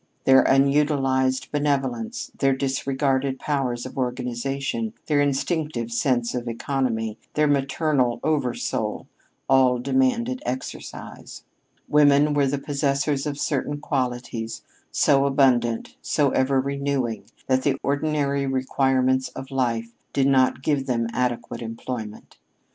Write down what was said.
Their unutilized benevolence, their disregarded powers of organization, their instinctive sense of economy, their maternal oversoul, all demanded exercise. Women were the possessors of certain qualities so abundant, so ever renewing, that the ordinary requirements of life did not give them adequate employment.